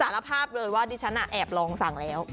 สารภาพเลยว่าดิฉันแอบลองสั่งแล้ว